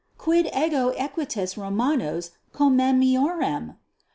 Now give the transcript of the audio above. Quid ego equites Romanos commemorem?